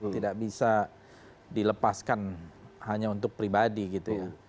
tidak bisa dilepaskan hanya untuk pribadi gitu ya